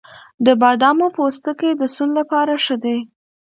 د بادامو پوستکی د سون لپاره ښه دی؟